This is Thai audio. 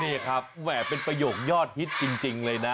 นี่ครับแหม่เป็นประโยคยอดฮิตจริงเลยนะ